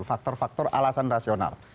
faktor faktor alasan rasional